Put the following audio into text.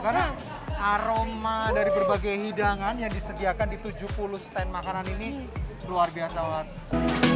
karena aroma dari berbagai hidangan yang disediakan di tujuh puluh stand makanan ini luar biasa banget